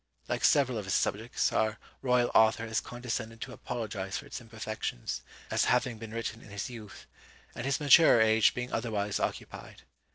Like several of his subjects, our royal author has condescended to apologise for its imperfections, as having been written in his youth, and his maturer age being otherwise occupied.